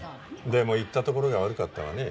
でも行ったところが悪かったわね。